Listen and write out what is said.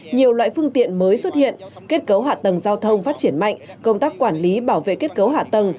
nhiều loại phương tiện mới xuất hiện kết cấu hạ tầng giao thông phát triển mạnh công tác quản lý bảo vệ kết cấu hạ tầng